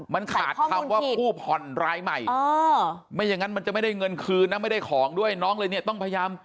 มันขาดคำว่าผู้ผ่อนรายใหม่ไม่อย่างนั้นมันจะไม่ได้เงินคืนนะไม่ได้ของด้วยน้องเลยเนี่ยต้องพยายาม